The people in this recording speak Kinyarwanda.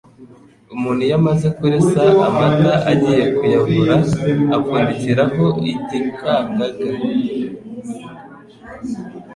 Umuntu iyo amaze kuresa amata, agiye kuyavura, apfundikaho igikangaga,